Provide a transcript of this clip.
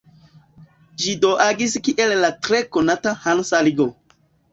Ĝi do agis kiel la tre konata Hansa ligo.